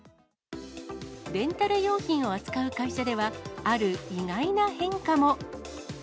レンタル用品を扱う会社では、ある意外な変化も。